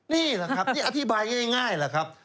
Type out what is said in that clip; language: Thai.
นี่แหละครับนี่อธิบายง่ายแหละครับ